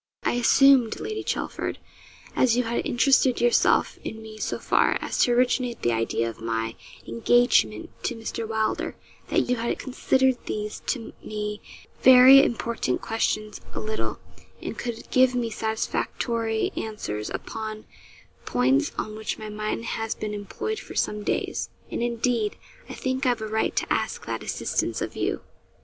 'I assumed, Lady Chelford, as you had interested yourself in me so far as to originate the idea of my engagement to Mr. Wylder, that you had considered these to me very important questions a little, and could give me satisfactory answers upon points on which my mind has been employed for some days; and, indeed, I think I've a right to ask that assistance of you.'